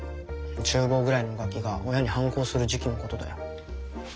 中坊ぐらいのガキが親に反抗する時期のことだよ。